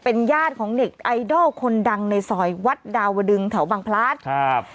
เป็นญาติของเน็ตไอดอลคนดังในซอยวัดดาวดึงแถวบางพลัดครับ